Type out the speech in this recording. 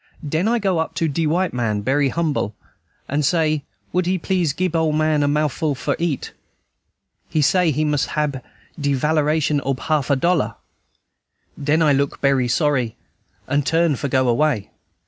"Den I go up to de white man, berry humble, and say, would he please gib ole man a mouthful for eat? "He say he must hab de valeration ob half a dollar. "Den I look berry sorry, and turn for go away.